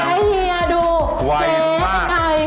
เป็นอย่างไรเฮียดูเจ๊เป็นใคร